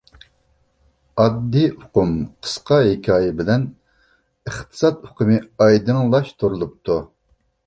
ئاددىي ئۇقۇم قىسقا ھېكايە بىلەن ئىقتىساد ئۇقۇمى ئايدىڭلاشتۇرۇلۇپتۇ.